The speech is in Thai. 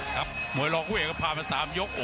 หมวยรองเว้ยก็พาไปสามยก